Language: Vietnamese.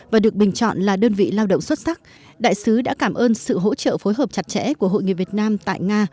và được bình chọn là đơn vị lao động xuất sắc đại sứ đã cảm ơn sự hỗ trợ phối hợp chặt chẽ của hội người việt nam tại nga